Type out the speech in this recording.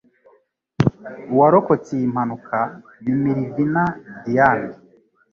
uwarokotse iyi mpanuka ni “Millvina Dean”